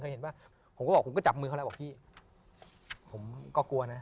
เห็นว่าผมก็บอกผมก็จับมือเขาแล้วบอกพี่ผมก็กลัวนะ